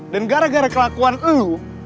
dan gara gara kelakuan lo